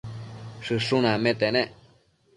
Shëshun acmete nec